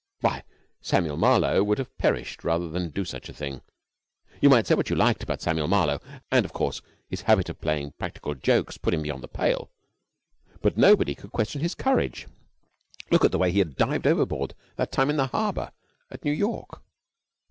Why, Samuel Marlowe would have perished rather than do such a thing. You might say what you liked about Samuel Marlowe and, of course, his habit of playing practical jokes put him beyond the pale but nobody could question his courage. Look at the way he had dived overboard that time in the harbour at New York!